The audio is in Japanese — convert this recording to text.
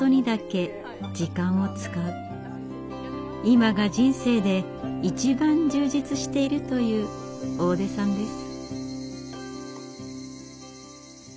今が人生で一番充実しているという大出さんです。